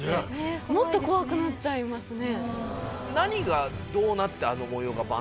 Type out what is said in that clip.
もっと怖くなっちゃいますね。